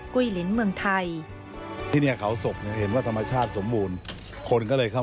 ท่าจะเรียกดูลูกถูกของพวกเขา